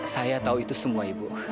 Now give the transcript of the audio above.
saya tahu itu semua ibu